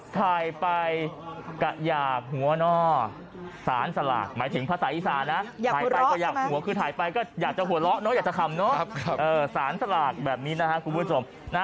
ถ่ายไปกะหยาบหัวหน้าสานสลากหมายถึงภาษาอิสระนะ